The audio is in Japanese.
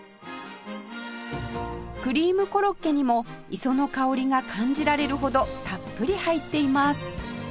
クリームコロッケにも磯の香りが感じられるほどたっぷり入っています